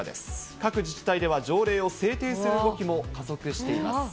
各自治体では条例を制定する動きも加速しています。